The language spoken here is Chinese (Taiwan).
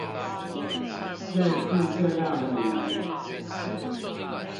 類似這樣的語言